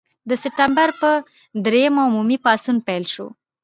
د سپټمبر پر دریمه عمومي پاڅون پیل شو.